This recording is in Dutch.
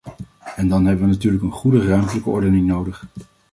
En dan hebben we natuurlijk een goede ruimtelijke ordening nodig.